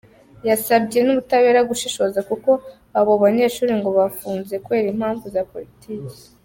Yasabye n’ubutabera gushishoza kuko abo banyeshuri ngo bafunze kubera impamvu za politiki.